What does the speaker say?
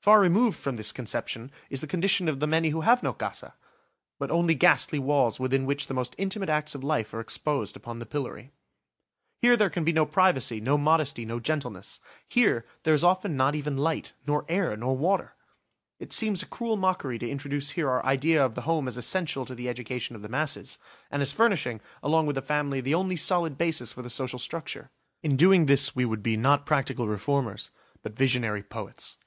Far removed from this conception is the condition of the many who have no "casa," but only ghastly walls within which the most intimate acts of life are exposed upon the pillory. Here, there can be no privacy, no modesty, no gentleness; here, there is often not even light, nor air, nor water! It seems a cruel mockery to introduce here our idea of the home as essential to the education of the masses, and as furnishing, along with the family, the only solid basis for the social structure. In doing this we would be not practical reformers but visionary poets.